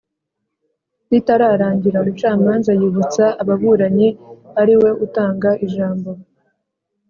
ritararangira umucamanza yibutsa ababuranyi ariwe utanga ijambo